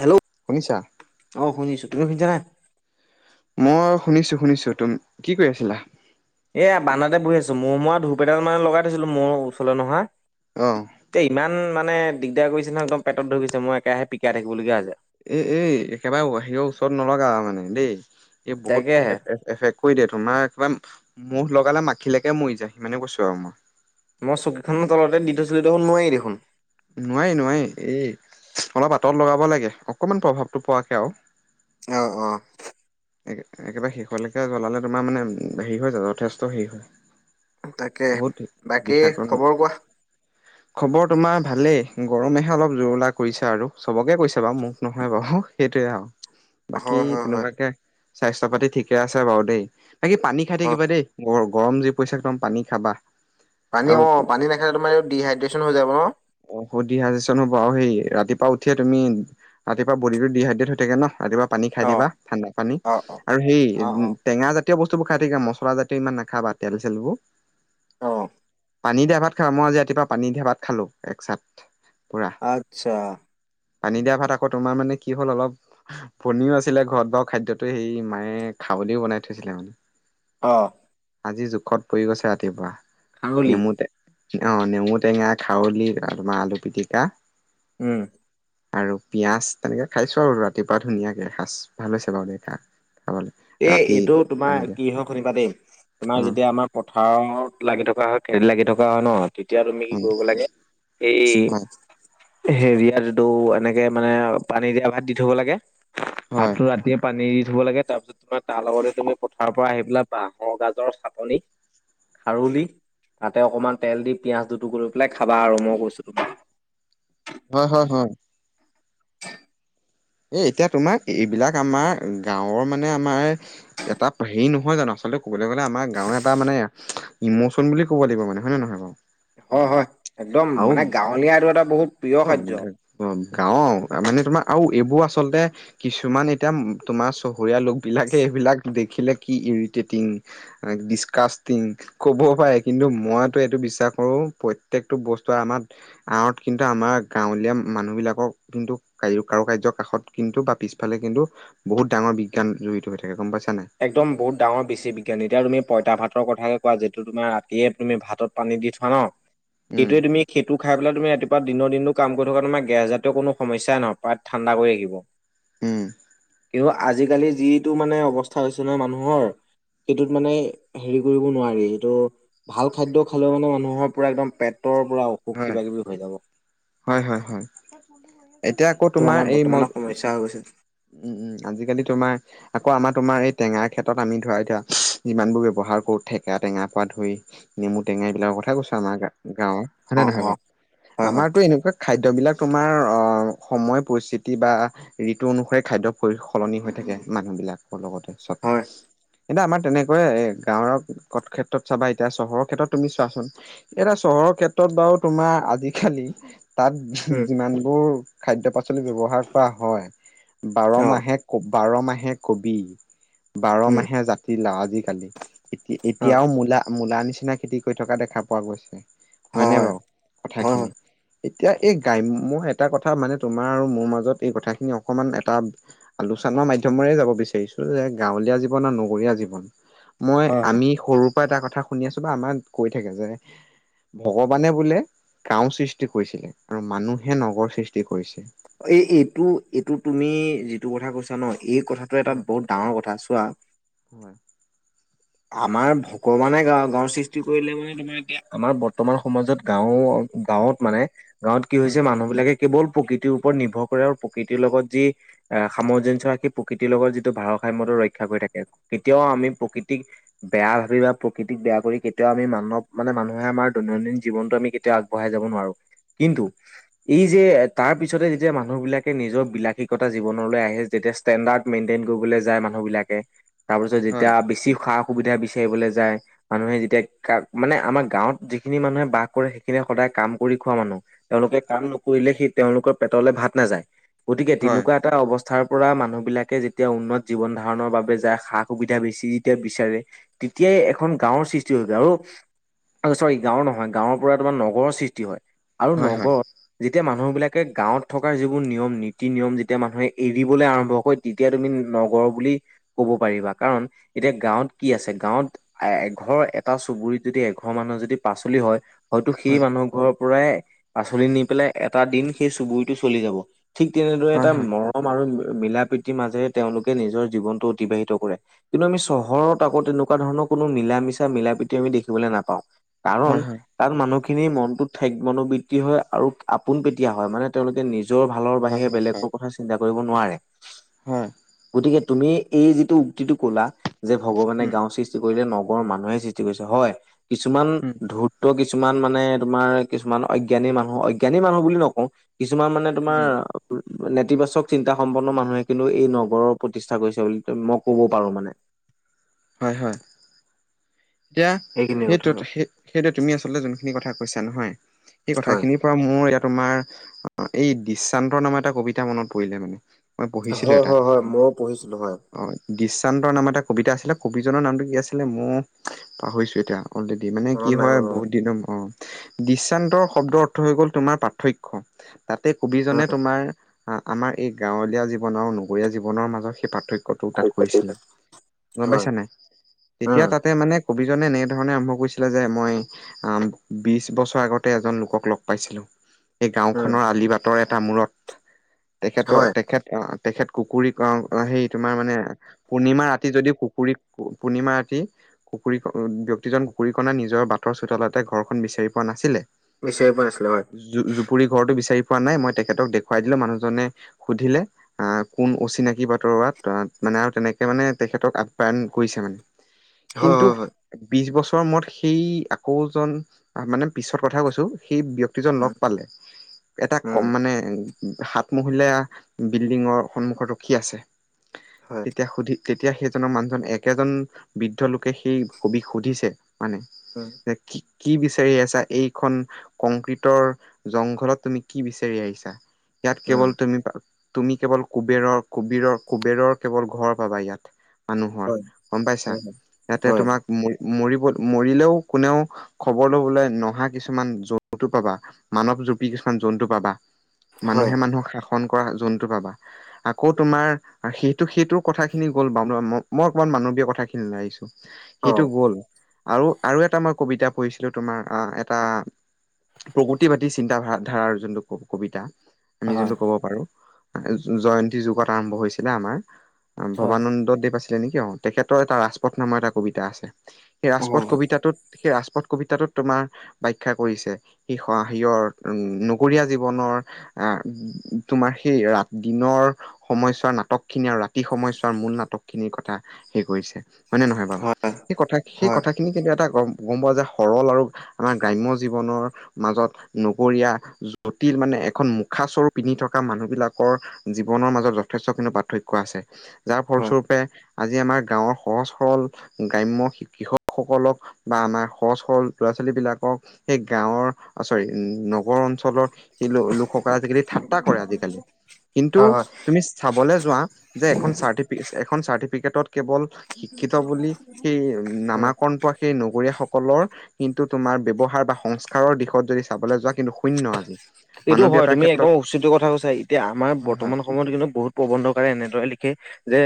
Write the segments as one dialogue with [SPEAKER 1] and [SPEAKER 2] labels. [SPEAKER 1] Hello?
[SPEAKER 2] শুনিছা?
[SPEAKER 1] অ' শুনিছো তুমি শুনিছানাই?
[SPEAKER 2] মই শুনিছো শুনিছো তুম কি কৰি আছিলা?
[SPEAKER 1] এয়া বানাতে বহি আছো মোৰ মই ধূপেটাল মানে লগাই থছিলো মোৰ ওচৰলৈ ন'হা।
[SPEAKER 2] অ'
[SPEAKER 1] এ ইমান মানে দিগদাৰ কৰিছে নহয় একদম পেটত ধৰি গৈছে মই একেৰাহে পিকাই থাকিবলগীয়া হৈছে।
[SPEAKER 2] এ এ একেবাৰে বাহিৰৰ ওচৰত নলগা মানে দেই। এই বহুত
[SPEAKER 1] তাকেহে
[SPEAKER 2] এফেক্ট কৰি দিয়ে তোমাৰ একদম মূহ লগালে মাখিলৈকে মৰি যায় সিমানে কৈছো আৰু মই।
[SPEAKER 1] মই চকীখনৰ তলতে দি থৈছিলো দেখোন নোৱাৰি দেখোন।
[SPEAKER 2] নোৱাৰি নোৱাৰি এই অলপ আঁতৰত লগাব লাগে অকমান প্ৰভাৱটো পোৱাকে আৰু।
[SPEAKER 1] আহ আহ।
[SPEAKER 2] একেবাৰে শেষলৈকে জ্বলালে তোমাৰ মানে হেৰি হৈ যায় যথেষ্ট হেৰি
[SPEAKER 1] তাকে
[SPEAKER 2] হয়। বহুত
[SPEAKER 1] বাকী
[SPEAKER 2] বিষাক
[SPEAKER 1] খবৰ কোৱা?
[SPEAKER 2] খবৰ তোমাৰ ভালেই গৰমেহে অলপ জোৰলা কৰিছে আৰু চবকে কৈছে বাৰু মোক নহয় বাৰু। সেইটোয়ে আৰু বাকী
[SPEAKER 1] হয় হয় হয়
[SPEAKER 2] তেনেকুৱাকে স্বাস্থ্য পাতি ঠিকে আছে বাৰু দেই। বাকি পানী খাই
[SPEAKER 1] অ
[SPEAKER 2] থাকিবা দেই গৰ গৰম যি পইচাদম পানী খাবা।
[SPEAKER 1] পানী
[SPEAKER 2] আৰু
[SPEAKER 1] অ' পানী নাখালে তোমাৰ ডিহাইড্ৰেশ্যন হৈ যাব ন'।
[SPEAKER 2] অ' ডিহাইড্ৰেশচন হ'ব আৰু সেই ৰাতিপুৱা উঠিয়ে তুমি ৰাতিপুৱা বড টো ডিহাইড্ৰেট হৈ থাকে ন' ৰাতিপুৱা পানী খাই
[SPEAKER 1] অ
[SPEAKER 2] দিবা ঠাণ্ডা পানী
[SPEAKER 1] অ অ
[SPEAKER 2] আৰু সেই
[SPEAKER 1] অ অ
[SPEAKER 2] উম, টেঙা যা তেীয় বস্তুবোৰ খাই থাকা মছলাজাতীয় ইমান নাখাবা তেল চেলবোৰ।
[SPEAKER 1] আহ।
[SPEAKER 2] পানী দিয়া ভাত খাল মই আজি ৰাতিপুৱা পানী দিয়া ভাত খালো এক চাত।
[SPEAKER 1] আচ্ছা।
[SPEAKER 2] পানী দিয়া ভাত আকৌ তোমাৰ মানে কি হ'ল অলপ পনও আছিলে ঘৰত বাৰু খাদ্যতো সেই মায়ে খাৱলও বনাই থৈছিলে মানে।
[SPEAKER 1] অ'।
[SPEAKER 2] আজি জোখত পৰি গৈছে ৰাতিপুৱা
[SPEAKER 1] খাৰলি
[SPEAKER 2] নেমু অ' নেমু টেঙা খাৰলি তোমাৰ আলু পিটিকা।
[SPEAKER 1] উম,
[SPEAKER 2] আৰু পিয়ঁয়াজ তেনেকে খাইছো আৰু ৰাতিপুৱা ধুনীয়াকে এসজ ভাল হৈছে বাৰু খাই।
[SPEAKER 1] এই এইটো তোমাৰ কিহ শুনিবা দেই তোমাৰ
[SPEAKER 2] অ
[SPEAKER 1] যেতিয়া আমাৰ পথাৰত লাগি থকা হয় খে লাগি থকা হয় ন'। তেতিয়া তুমি কি
[SPEAKER 2] উম
[SPEAKER 1] কৰিব লাগে এই
[SPEAKER 2] হয়
[SPEAKER 1] হেৰিয়াত আটো এনেকে মানে পানী দিয়া ভাত দি থ'ব লাগে।
[SPEAKER 2] হয়
[SPEAKER 1] হাতটো ৰাতিয়ে পানী দি থ'ব লাগে তাৰপিছত তমাৰ তাৰ লগতে তুমি পথাৰৰ পৰা আহি পেলা বাহৰ গাজৰ চাটনি খাৰলি তাতে অকমান তেল দি পিয়ঁয়াজ দুটুকুৰ লৈ পেলাই খাবা আৰু মই কৈছো তুমাক।
[SPEAKER 2] হয়, হয়, হয়। এ এতিয়া তোমাৰ এইবিলাক আমাৰ গাঁওৰ মানে আমাৰ এটা হেৰি নহয় জানো আচলতে ক'বলৈ গলে আমাৰ গাঁৱৰ এটা মানে ইমচন বুলি কব লাগ মানে হয় নে নহয় বাৰু।
[SPEAKER 1] হয়, হয় একদম মানে গাঁৱলীয়া আৰু এটা বহুত প্ৰিয়
[SPEAKER 2] অম
[SPEAKER 1] খাদ্য
[SPEAKER 2] অম গাও মানে তোমাৰ আৰু এইবোৰ আচলতে কিছুমান এতিয়া তোমাৰ চহৰীয়া লোক বিলাকে এইবিলাক দেখিলে কি এৰিতেটিন দিস্কেছ তিং ক'ব পাৰে কিন্তু মই এইটো বিশ্বাস কৰো প্ৰত্যেকটো বস্তু আমাৰ আত কিন্তু এ আমাৰ গাঁৱলীয়া মানুহ বিলাকক কিন্তু কাৰ কাৰু কাৰ্যৰ কাষত কিন্তু বা পিছফালে কিন্তু বহুত ডাঙৰ বি [inaudible] জড়িত‌ হৈ থাকে গম পাইছা। নাই
[SPEAKER 1] একদম বহুত ডাঙৰ বেছি বিজ্ঞান এতিয়া তুমি। পইতা ভাতৰ কথাকে কোৱা যিটো তোমাৰ ৰাতিয়ে তুমি ভাতত পানী দি থোৱা ন।
[SPEAKER 2] উম
[SPEAKER 1] সেইটোৱে তুমি সেইটো খাই পেলাই তুমি ৰাতিপুৱা দিনৰ দিনো কাম কৰি থকা তোমাৰ গেছ জাতীয় কো সমস্যাই নহয় পাত ঠাণ্ডা পৰি থাকিব।
[SPEAKER 2] উম,
[SPEAKER 1] তেওঁ আজিকালি যিটো মানে অৱস্থা। হৈছে নহয় মানুহৰ সেইটোত মানে হেৰি কৰিব নোৱাৰি এইটো ভাল খাদ্য। হ'লেও মানে মানুহৰ পুৰা একদম পেটৰ পূৰা অসুখ
[SPEAKER 2] হয়
[SPEAKER 1] কিবা কিবি হৈ যাব।
[SPEAKER 2] হয়, হয়, হয়, এতিয়া আকৌ
[SPEAKER 1] ত
[SPEAKER 2] তোমাৰ
[SPEAKER 1] আমাৰ
[SPEAKER 2] এই উম,
[SPEAKER 1] বৰ্তমানৰ সমস্যা হৈ গৈছে
[SPEAKER 2] উম, আজিকালি তোমাৰ আকৌ আমাৰ তোমাৰ এই টেঙাৰ ক্ষেত্ৰত আমি ধৰা এতিয়া যিমানবোৰ ব্যৱহাৰ কৰোঁ ঠেকা টেঙা পৰা ধৰি নেমু টেঙাই এই বিলাকৰ কথাাই কৈছো আমাৰ গাঁৱৰ হয় নে
[SPEAKER 1] অ
[SPEAKER 2] নহয় গ
[SPEAKER 1] অ হয় হয়
[SPEAKER 2] আমাৰতো এনেকুৱা খাদ্য। খাদ্যবিলাক তোমাৰ সময় পৰিস্থিতি বা ঋতু অনুসৰি খাদ্য পৰি সলনি হৈ থাকে। মানুহবলাকৰ লগতে চাওকঁ।
[SPEAKER 1] হয়
[SPEAKER 2] এতিয়া আমাৰ তেনেকৈয় এ গাঁৱৰ ক ক্ষেত্ৰত চাবা এতিয়া চহৰৰ ক্ষেত্ৰত। তুমি চোৱাচোন এটা চহৰৰ ক্ষেত্ৰত বাৰু তোমাৰ আজিকালি। তাত
[SPEAKER 1] উম
[SPEAKER 2] যিমানবোৰ খাদ্য পাচলি ব্যৱহাৰ কৰা হয়। বাৰ
[SPEAKER 1] অ
[SPEAKER 2] মাহে বাৰ মাহে কবি। বাৰ
[SPEAKER 1] উম
[SPEAKER 2] মাহে জাতি লাওঁ আজিকালি এতি
[SPEAKER 1] অ
[SPEAKER 2] এতিয়াও মূলা, মূলা নিচিনা খেতি। থকা দেখা পোৱা গৈছে,
[SPEAKER 1] হয়
[SPEAKER 2] হয়নে
[SPEAKER 1] হয়
[SPEAKER 2] বাৰু
[SPEAKER 1] হয় হয়
[SPEAKER 2] কথাখিনি। এতিয়া এই গ্ৰাম্্য এটা কথা মানে তোমাৰ আৰু মোৰ মাজত এই কথাখিনি অকমান এটা আলোচনা। আমাৰ মাধ্মৰে যাব বিচাৰিছো যে গাঁৱলীয়া জীৱন আৰু নগৰীয়া জীৱন। মই
[SPEAKER 1] হয়
[SPEAKER 2] আমি সৰুৰ পৰা এটা কথা শুনি আছো বা আমাক কৈ থাকে যে। ভগৱানে বোলে গাঁও সৃষ্টি কৰিছিলে আৰু মানুহে নগৰ সৃষ্টি কৰিছে।
[SPEAKER 1] এই এইটো, এইটো তুমি যিটো কথা কৈছা ন। এই কথাটো এটা
[SPEAKER 2] হয়
[SPEAKER 1] বহুত ডাঙৰ কথা চোৱা।
[SPEAKER 2] হয়
[SPEAKER 1] আমাৰ ভগৱানে গা, গাওঁৰ সৃষ্টি কৰিলে মানে তোমাৰ এতিয়া আমাৰ বৰ্তমান সমাজত গাওঁ। গাঁৱত মানে গাঁৱত কি
[SPEAKER 2] হয়
[SPEAKER 1] হৈছে মানুহ বিলাকে কেৱল। প্ৰকৃতিৰ ওপৰত নিৰ্ভৰ কৰে আৰু প্ৰকৃতিৰ লগত যি সামঞ্জস্্য ৰা সি প্ৰকৃতিৰ লগত যিটো ভাৰসাইমত। ৰক্ষা কৰি থাকে কেতিয়াও আমি প্ৰকৃৃত। বেয়া ভাবি বা প্ৰকৃতিক বেয়া কৰি কেতিয়াও আমি মানৱ মানে মানুহে আমাৰ দৈনন্দিন জীৱনতটো আমি কেতিয়াও। আগবঢ়াই যাব নোৱাৰো। কিন্তু এই যে তাৰ পিছতে যেতিয়া মানুহ বিলাকে নিজৰ বিলাসীিকতা জীৱনলৈ আহে যে তিয়া ষ্টেডাৰ্ মেইনটেইন কৰিব যায় মানু বিাকে তাৰ পিছত
[SPEAKER 2] হয়।
[SPEAKER 1] যেতিয়া বেছি সা, সুবিধা বিচাৰিবলৈ যায় মানুহে যেতিয়া মানে আমাৰ গাঁৱত যিখিনি মানুহে বাস কৰে সেইখিন সদায় কাম কৰি খোৱা মানুহ তেওঁলোকে কাম নকৰিলে সেই তেওঁলোকৰ পেটলে ভাত নাযায়। গতিকে
[SPEAKER 2] হয়,
[SPEAKER 1] তেনেকুৱা এটা অৱস্থা। স্থাৰ পৰা মানুহ বিলাকে যেতিয়া উন্নত জীৱন ধাৰণৰ বাবে যায় সা সুবিধা বেছি। তেতিয়া বিচাৰে তেতিয়াই এখন গাঁওৰ সৃষ্টি হৈ যায় আৰু চৰি গাঁওৰ নহয় গাঁৱৰ পৰা তোমাৰ নগৰৰ সৃষ্টি হয় আৰু
[SPEAKER 2] হয়, হয়,
[SPEAKER 1] নগৰত যে তেতিয়া মানুহবিলাকে গাঁৱত থকা যিবোৰ নিয়ম নীতি নিয়ম যেতিয়া মানুহে এৰিবলৈ আৰম্ভ কৰে তেতিয়া তুমি নগৰ বুলি ক'ব পাৰিবা কাৰণ। এতিয়া গাঁৱত কি আছে গাঁৱত এ, এঘৰ এটা চুবুৰীত যদি এঘৰ মানুহ যদি পাচলি হয়। হয়তো সেই
[SPEAKER 2] হয়,
[SPEAKER 1] মানুহ ঘৰৰ পৰাই পাচলি নি পেলাই এটা দিন সেই চুবুুৰীটো চলি যাব। ঠিক তেনেদৰে এটা
[SPEAKER 2] হয়, হয়,
[SPEAKER 1] মৰম আৰু। মিলা প্ৰীতিৰ মাজেৰে তেওঁলোকে নিজৰ জীৱনটো অতিবাহিত কৰে। কিন্তু আমি চহৰত আকৌ তেনেকুৱা ধৰণৰ কোনো মিলা, মিচা, মিলা প্ৰীতি আমি দেখিবলৈ নাপাওঁ। কাৰণ
[SPEAKER 2] হয়, হয়,
[SPEAKER 1] তাৰ মানুহসি খিন মনটোত ঠে মনোবৃত্তি হয় আৰু আপোন পেটয়াা হয়, মানে তেওঁলোকে নিজ নিজৰ ভালৰ
[SPEAKER 2] হয়,
[SPEAKER 1] বাহিৰে
[SPEAKER 2] হয়, হয়,
[SPEAKER 1] বেলেগৰ কথা চিন্তা কৰিব নোৱাৰে
[SPEAKER 2] হয়,
[SPEAKER 1] গতিকে তুমি এই যিটো উক্তিটো ক'লা যে, ভগৱানে
[SPEAKER 2] উম,
[SPEAKER 1] গাও সৃষ্টি কৰিলে নগ মানুহে সৃষ্টি কৰিছে হয়, কিছুমান
[SPEAKER 2] উম,
[SPEAKER 1] ধূৰ্ত্ত কিচ কিছুমান মানে তোমাৰ কিছুমান অজ্ঞানী মানুহ, অজ্ঞানী মানুহ বুলি নকওঁ। কিছুমান মানে তোমাৰ
[SPEAKER 2] উম,
[SPEAKER 1] নেতিবাচক চিন্তা সম্পন্ন মানুহে কিন্তু এই নগৰৰ প্ৰতিষ্ঠা কৰিছে বুলি মই ক'ব পাৰোঁ মানে।
[SPEAKER 2] হয়, হয়, এতিয়া
[SPEAKER 1] সেইখিনিয়ে কথা
[SPEAKER 2] সেইটো
[SPEAKER 1] আৰু
[SPEAKER 2] স সেইটো তুমি আচলতে যোনখিনি কথা কৈছা নহয়, সেই কথা
[SPEAKER 1] হয়
[SPEAKER 2] খিনিৰ পৰা মোৰ এতিয়া তোমাৰ অ এই দৃশ্যান্তৰ নামৰ এটা কবিতা মনত পৰিলে মানে মই পঢ়িছিলো
[SPEAKER 1] হয়
[SPEAKER 2] এটা,
[SPEAKER 1] হয় হয় ময়ো পঢ়িছিলো হয়
[SPEAKER 2] অ দৃশ্যান্তৰ নামত এটা কবিতা আছিলে। কবিজনৰ নামটো কি আছিলে মই পাহৰিছো এতিয়া অলৰেডি, মানে
[SPEAKER 1] মনত
[SPEAKER 2] কি
[SPEAKER 1] নাই
[SPEAKER 2] হয়
[SPEAKER 1] বাৰু
[SPEAKER 2] বহুত দিনৰ অ দৃশান্তৰ শব্দৰ অৰ্থ হৈ গল তোমাৰ পাৰ্থক্য। তাতে
[SPEAKER 1] অ
[SPEAKER 2] কবিজনে তোমাৰ আমাৰ এই গাঁৱলীয়া জীৱন আৰু নগৰীয়া জীৱনৰ মাজত সেই পাৰ্থক্য কটো তাত কৈছিলে গম
[SPEAKER 1] হয়
[SPEAKER 2] পাইছা নাই? তেতিয়া
[SPEAKER 1] উম
[SPEAKER 2] তাত মানে কবি জনে এনেধৰণ আৰম্ভ কৰিছিলে যে মই বিশ বছৰ আগতে এজন লোকক লগ পাই ছিলোঁ এই
[SPEAKER 1] উম
[SPEAKER 2] গাওঁখনৰ আলি বাটৰ এটা মূৰত তেখেতৰ
[SPEAKER 1] হয়
[SPEAKER 2] তেখেত তেখেত কুকুৰীক সেই তোমাৰ মানে পূৰ্ণিমা ৰাতি যদি কুকুৰীক পূৰ্ণিমা ৰাতি কুকুৰীক ব্যক্তিজন কুকুৰী কণা নিজৰ বাটৰ চোতালতে ঘৰখন বিচাৰি পোৱা নাছিলে।
[SPEAKER 1] বিচাৰি পোৱা নাছিলো হয়
[SPEAKER 2] জ জুপুৰি ঘৰটো বিচাৰি পোৱা নাই, মই তেখেতক দেখাই দিলোঁ মানুহজনে সুধিলে - কোন অচিনাকি বাটৰুৱা মানে আৰু তেনেকে মানে তেখেতক আপ্যয়ন কৰিছে মানে। কিন্তু
[SPEAKER 1] হয় হয় হয়
[SPEAKER 2] বিশ বছৰ মূৰত সেই আকৌ জন মানে পিছত কথা কৈছো। সেই ব্যক্তিজন লগ
[SPEAKER 1] উম
[SPEAKER 2] পালে এটা ক
[SPEAKER 1] উম
[SPEAKER 2] মানে সাত মহলীয়া বিল্ডিঙৰ সন্মুখত ৰখি আছে।
[SPEAKER 1] হয়
[SPEAKER 2] তেতিয়া সুধি তেতিয়া সেইজনৰ মানুহজন একেজন বৃদ্ধ লোকে সেই কবিক সুধিছে মানে
[SPEAKER 1] উম
[SPEAKER 2] যে কি কি বিচাৰি আছা? এইখন কংক্ৰিটৰ জংঘলত তুমি কি বিচাৰি আহিছা? ইয়াত
[SPEAKER 1] উম
[SPEAKER 2] কেৱল তুমি পা তুমি কেৱল কুবেৰৰ কুবেৰৰ কুবেৰৰ কেৱল ঘৰ পাবা ইয়াত। মানুহৰ
[SPEAKER 1] হয়
[SPEAKER 2] গম পাইছা ইয়াতে
[SPEAKER 1] হয়
[SPEAKER 2] তোমাক মোৰ মৰিব মৰিলেও কোনেও খবৰ লবলৈ নহা কিছুমান জন্তু পাবা। মানৱ জুপি কিছুমান জন্তু পাবা।
[SPEAKER 1] হয় হয় হয়।
[SPEAKER 2] মানুহে মানুহক শাস কৰা জন্তু পাবা আকৌ তোমাৰ সেইটো সেইটো কথা খিনি গ'ল বাউ মই মই মানৱীয় কথা খিনিলে আহিছো,
[SPEAKER 1] অ
[SPEAKER 2] সেইটো গ'ল। আৰু আৰু এটা মই কবিতা পঢ়িছিলো, তোমাৰ আহ এটা প্ৰগতিবাদী চিন্তা ধা ধাৰাৰ যোনটো কবিতা। আমি
[SPEAKER 1] হয়
[SPEAKER 2] যোনটো কব পাৰো, জয়ন্তী যুগত আৰম্ভ হৈছিলে আমাৰ।
[SPEAKER 1] হয়
[SPEAKER 2] ভবানন্দ দেৱ আছিলে নেকি অ' তেখেতৰ এটা ৰাজপথ নামৰ এটা কবিতা আছে। সেই ৰাজপথ
[SPEAKER 1] হয়
[SPEAKER 2] কবিতাটোত সেই ৰাজপথ কবিতাটোত তোমাৰ ব্যাখ্যা কৰিছে সি সিয়ৰ নগৰীয়া জীৱনৰ তোমাৰ সেই ৰা দিনৰ সময়ছোৱাৰ নাটক খিনি আৰু ৰাতি সময়ছাত মূল নাটক খিনিৰ কথা হেই কৰিছে হয় নে নহয় বাৰু?
[SPEAKER 1] হয়
[SPEAKER 2] সেই কথা সেই
[SPEAKER 1] হয়
[SPEAKER 2] কথাখিনিক এটা গম গম পোৱা যে সৰল আৰু আমাৰ গ্ৰাম্য জীৱনৰ মাজত নগৰীয়া টিল মানে এখন মুখা স্বৰূপ পিন্ধি থকা মানুহ বিলাকৰ জীৱনৰ মাজত যথেষ্টখিনি পাৰ্থক্য আছে। যাৰ ফলস্বৰূপে, আজি আমাৰ গাঁৱৰ সহজ সৰল গ্ৰাম্য কৃষক সকলক বা আমাৰ সহজ সৰজ ল'ৰা ছোৱালী বিলাকক, সেই গাঁৱৰ চৰি, নগৰ অঞ্চলত সেই লোকসকলে আজিকালি ঠাট্টা কৰে আজিকালি। কিন্তু
[SPEAKER 1] হয় হয়
[SPEAKER 2] তুমি চাবলৈ যোৱা যে, এখন চট এখন চাৰ্টিফিকেটত কেৱল শিক্ষিত বুলি সেই
[SPEAKER 1] হয়
[SPEAKER 2] নামাকৰণ পোৱা সেই ন লগাগৰীয়াসকলৰ কিন্তু তোমাৰ ব্ৱহাৰ বা সংস্কাৰৰ দিশত যদি চাবলৈ যোৱা কিন্তু শুন্য আজি
[SPEAKER 1] এইটো হয়,
[SPEAKER 2] মানৱীয়তাৰ
[SPEAKER 1] তুমি
[SPEAKER 2] ক্ষেত্ৰত
[SPEAKER 1] একদম উচিত কথা কৈছা এতিয়া আমাৰ
[SPEAKER 2] হয় হয়
[SPEAKER 1] বৰ্তমান সময়ত কিন্তু বহুত প্ৰবন্ধকাৰে এনেদৰে লিখে যে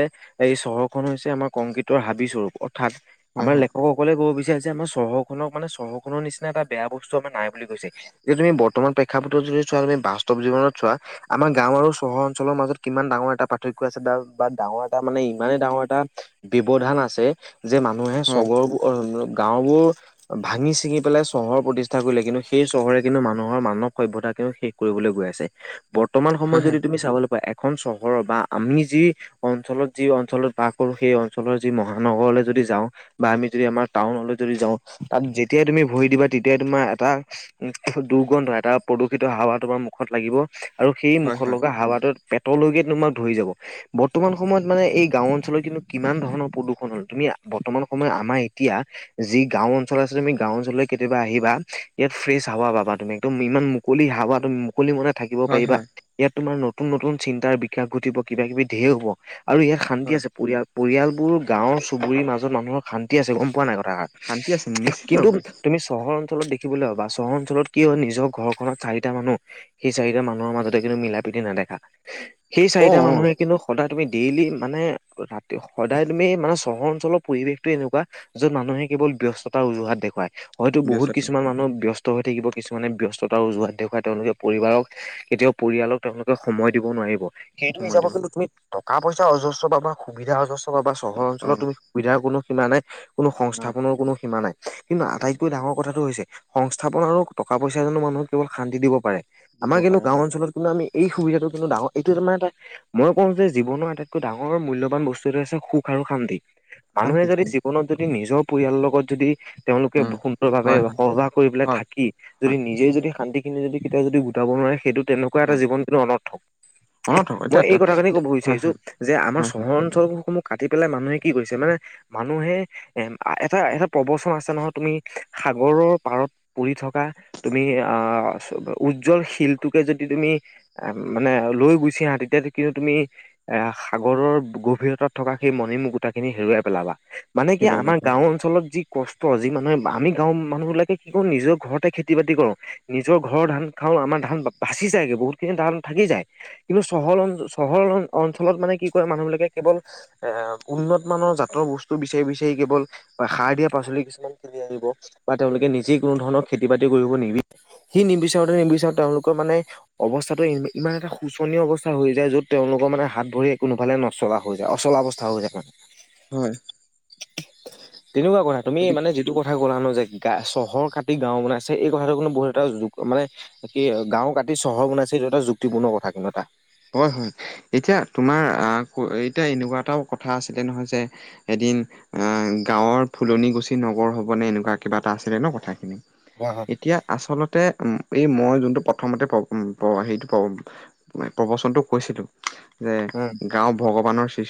[SPEAKER 1] এই চহৰখনন হৈছে আমাৰ কংকিিতৰ হাবি স্বৰূপ অৰ্থাৎ আমাৰ
[SPEAKER 2] হয়
[SPEAKER 1] লেখকসকলে ক'ব বিচাৰি যে আমাৰ চহৰ খনক মানে চহৰখনৰ নিচিনা এটা বেয়া বস্তু আমাৰ নাই বুলি কৈছে যে তুমি বৰ্তমান প্ৰ শিক্ষাপত্ৰ যদি চোৱা তমি বাস্তৱ জৱনত চোৱা আমাৰ গাও আৰু চহৰ অঞ্চলৰ মাজত কিমান ডাঙৰ এটা পাৰ্থক্য আছে বা ডাঙৰ এটা মানে ইমানে ডাঙৰ এটা ব্যৱধান আছে যে মানুহে
[SPEAKER 2] হয়
[SPEAKER 1] চহৰ গাঁওবোৰ ভাঙি ছিঙি পেলাই চহৰ প্ৰতিষ্ঠা কৰিলে কিন্তু সেই চহৰে কিন্তু মানুহৰ মানৱ সভ্তা কে শেষ কৰিবলৈ গৈ আছে বৰ্তমান
[SPEAKER 2] হয়
[SPEAKER 1] সময়ত
[SPEAKER 2] হয়
[SPEAKER 1] যদি তুমি চাবলৈ পা এখন চহৰৰ বা আমি যি অঞ্চলত যি অঞ্চলত বাস কৰো সেই অঞ্চলৰ যি মহানগৰলৈ যদি দি যাওঁ বা আমি যদি আমাৰ টাউনলৈ যদি যাওঁ তাত যেতিয়াই তুমি ভৰি দিবা তেতিয়াই তোমাৰ এটা কি দুৰ্গন্ধ এটা প্ৰদূষিত হাৱা তো আমাৰ মুখত লাগিব আৰু সেই
[SPEAKER 2] হয়
[SPEAKER 1] মুখত
[SPEAKER 2] হয়
[SPEAKER 1] লগা হাৱাটোত পেটলৈকে তোমাক ধৰি যাব বৰ্তমান সময়ত মানে এই গাও অঞ্চলত কিন্তু কিমান ধৰণৰ প্ৰদূষণ হল তুমি বৰ্তমান সময়ত আমাৰ এতিয়া যি গাও অঞ্চল আছে তুমি গাও অঞ্চললৈ কেতিয়াবা আহিবা ইয়াত ফ্ৰেছ হাৱা বাবা তুমি একদম ইমান মুকলি হাৱা তুম মুকলি মনে থাকিব
[SPEAKER 2] হয় হয়
[SPEAKER 1] পাৰিবা
[SPEAKER 2] হয়
[SPEAKER 1] ইয়াত তোমাৰ নতুন নতুন চিন্তাৰ বিকাশ ঘটিব কিবা কিবি ধেয় হব আৰু ইয়াত শান্তি
[SPEAKER 2] হয়
[SPEAKER 1] আছে, পৰিয়াল পৰিয়ালবোৰ গাঁওৰ চুবুৰীৰ মাজত মানুহৰ শান্তি আছে গম পোৱা নাই কথাষ
[SPEAKER 2] শান্তি আছে নিশ্চিত
[SPEAKER 1] কিন্তু
[SPEAKER 2] ৰূপে
[SPEAKER 1] তুমি চহৰ অঞ্চলত দেখিবলৈ হ বা চহৰ অঞ্চলত কি হয় নিজৰ ঘৰ ত চাৰিটা মানুহ সেই চাৰিটা মানুহৰ মাজতে কিন্তু মিলা-প্ৰীতি নেদেখা সেই
[SPEAKER 2] অ
[SPEAKER 1] চাৰিটা
[SPEAKER 2] অ
[SPEAKER 1] মানুহে কিন্তু সদায় তুমি ডেইলি মানে, ৰাতি সদায় তুমি মানে, চহৰ অঞ্চলৰ পৰিৱেশটো এনেকুৱা যত মানুহে কেৱল ব্যস্ততাৰ উজুহাত দেখুৱায় হয়তো বহুত
[SPEAKER 2] ব্যস্ততা
[SPEAKER 1] কিছুমান মানুহ ব্যস্ত হৈ থাকিব কিছুমানে ব্যস্ত উজোৱাত দেখুৱাই তেওঁলোকে পৰিবাৰক কেতিয়াও পৰিয়ালক তেওঁলোকে সময় দিব নোৱাৰিব সেইটো
[SPEAKER 2] সময়
[SPEAKER 1] হিচাপত
[SPEAKER 2] দিব
[SPEAKER 1] কিন্তু তুমি টকা পইচা অজস্ৰ পাব বা সুবিধা অজস্ৰ প বা চহৰ
[SPEAKER 2] অ
[SPEAKER 1] অঞ্চলত তুমি সুবিধাৰ কোনো সীমা নাই কোনো
[SPEAKER 2] নাই
[SPEAKER 1] সংস্থাপনৰ কোনো সীমা নাই কিন্তু
[SPEAKER 2] নাই
[SPEAKER 1] আটাইতকৈ ডাঙৰ কথাটো হৈছে সংস্থাপন আৰু টকা পইচা জনো মানুহক কেৱল শান্তি দিব পাৰে
[SPEAKER 2] দিব
[SPEAKER 1] আমাৰ কিন্তু
[SPEAKER 2] পাৰে
[SPEAKER 1] গাও
[SPEAKER 2] হয়
[SPEAKER 1] অঞ্চলত কিন্তু আমি এই সুবিধাটো কিন্তু ডাৰ এইটো মানে এটা মই কওঁ যে, জীৱনৰ আটাইতকৈ ডাঙৰ মূল্যবান বস্তু এটো আছে সুখ শান্তি মানুহে
[SPEAKER 2] শান্তি
[SPEAKER 1] যদি
[SPEAKER 2] শান্তি
[SPEAKER 1] জীৱনত যদি নিজৰ পৰিয়ালৰ লগত যদি, তেওঁলোকে
[SPEAKER 2] উম
[SPEAKER 1] সুন্দৰভাৱে
[SPEAKER 2] হয় হয়
[SPEAKER 1] সহজা কৰি পেলাই
[SPEAKER 2] হয়
[SPEAKER 1] থাকি যদি
[SPEAKER 2] হয়
[SPEAKER 1] নিজে যদি শান্তিখিন যদি কেতিয়াও যদি গোটাব নোৱাৰে সেইটো তেনেকুৱা এটা
[SPEAKER 2] হয়
[SPEAKER 1] জীৱনটো অনৰ্থক
[SPEAKER 2] অনৰ্থক
[SPEAKER 1] মই
[SPEAKER 2] এতিয়া
[SPEAKER 1] এই কথাখিনি ক'ব
[SPEAKER 2] হয়
[SPEAKER 1] বিচাৰিছো
[SPEAKER 2] হয়
[SPEAKER 1] যে, আমাৰ
[SPEAKER 2] হয় হয়
[SPEAKER 1] চহৰ অঞ্চলসম সমূহ কাটি পেলাই মানুহে কি কৰিছে মানে মানুহে এ এটা এটা প্ৰবচন আছে নহয়, তুমি সাগৰৰ পাৰত পৰি থকা তুমি তাৰ উজ্জ্বল শিলটোকে যদি তুমি আহ মানে লৈ গুছি আহা তেতিয়া কিন্তু তুমি এ সাগৰৰ গভীৰতাত থকা সেই মণিমুখ গোটা খিনি হেৰুৱাই পেলাবা মানে কি
[SPEAKER 2] থলুৱা
[SPEAKER 1] আমাৰ
[SPEAKER 2] ভাষা
[SPEAKER 1] গাও অঞ্চলত যি কষ্ট যি মানুহে আমি গাঁওৰ মানুহ বিলাক কি কৰো নিজৰ ঘৰতে খেতি বাতি কৰো নিজৰ ঘৰৰ ধান খাওঁ আমাৰ ধান বাচি যায়গে বহুতখিনি ধান থাকি যায় কিন্তু চহৰ অ চহৰ- অঞ্চলত মানে কি ক মানুহ বিলাকে কেৱল এ উন্নত মানৰ জাতৰ বস্তু বিচাৰি বিচাৰি কেৱল বা সাৰ দিয়া পাচলি কিছুমান কিনি আহিব বা তেওঁলোকে নিজেই কোনো ধৰণৰ খেতি বাতি কৰিব নিবি সি নিবিচাৰোতে নিবিচাৰো তেওঁলোকৰ মানে অৱস্থাটো ইমান এটা শোচনীয় অৱস্থা হৈ যায় য'ত তেওঁলোকৰ মানে হাত ভৰি কোনোফালে নচলা হৈ যায় অচলা অৱস্থা হৈ যায় মানে
[SPEAKER 2] হয়
[SPEAKER 1] তেনেকুৱা কথা তুমি
[SPEAKER 2] এইটো
[SPEAKER 1] মানে যিটো কথা ক'লাানো যে গা চহৰ কাটি গাঁও বনাইছে এই কথাটো কোনো বহুত এটা যু মানে কি গাও কাটি চহৰ বনাইছে সেইটো এটা যুক্তিপূৰ্ণ কথা কিন্তু এটা
[SPEAKER 2] হয়, হয়, এতিয়া তোমাৰ এতিয়া এনেকুৱা এটাও কথা আছিলে নহয় যে এ এ গাঁৱৰ ফুলনি গুছি নগৰ হ'বনেে এনেকুৱা কিবা এটা আছিলে ন কথাখিনি
[SPEAKER 1] হয় হয়
[SPEAKER 2] এতিয়া আচলতে এই মই যোনটো প্ৰথমতে প উম প হেটো প প্ৰবচনটো কৈছিলোঁ যে
[SPEAKER 1] উম
[SPEAKER 2] গাঁও ভগৱানৰ সৃষ্টি